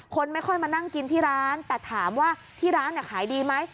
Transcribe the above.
คนไม่ค่อยมานั่งกินที่ร้านแต่ถามว่าที่ร้านขายดีไหม